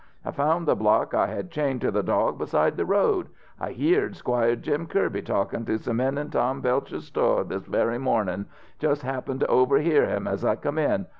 I found the block I had chained to the dog beside the road. I heered Squire Jim Kirby talkin' to some men in Tom Belcher's sto' this very mornin'; just happened to overhear him as I come in.